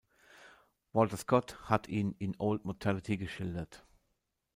Walter Scott hat ihn in "Old mortality" geschildert.